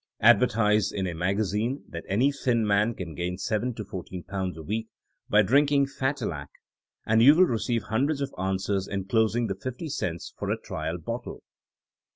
Advertise in a magazine that any thin man can gain seven to fourteen pounds a week by drinking Fattilac and you will receive hundreds of answers en closing the fifty cents for a trial bottle.